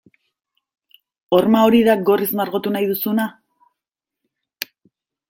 Horma hori da gorriz margotu nahi duzuna?